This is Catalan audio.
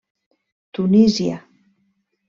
Tunísia.